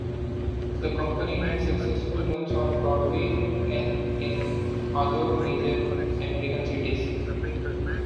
The company had successful runs on Broadway and in other major American cities.